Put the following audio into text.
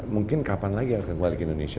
mungkin kapan lagi akan kembali ke indonesia